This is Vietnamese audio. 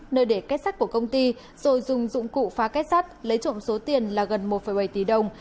nơi để kết sắt của công ty rồi dùng dụng cụ phá kết sắt lấy trộm số tiền là gần một bảy tỷ đồng